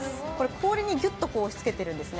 氷にぎゅっと押しつけているんですね。